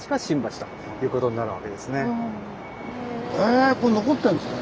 えこれ残ってんですね。